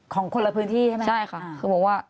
ของคนละพื้นที่ใช่ไหมคะอเรนนี่ใช่ค่ะคือบอกว่า